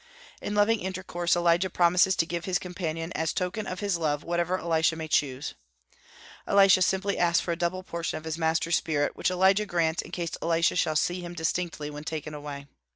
In loving intercourse Elijah promises to give to his companion as token of his love whatever Elisha may choose. Elisha asks simply for a double portion of his master's spirit, which Elijah grants in case Elisha shall see him distinctly when taken away.